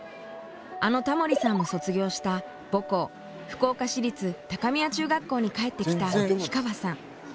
あのタモリさんも卒業した母校福岡市立高宮中学校に帰ってきた氷川さん。